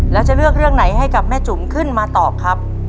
แล้วจะเลือกเรื่องไหนให้กับแม่จุ๋มขึ้นมาตอบครับ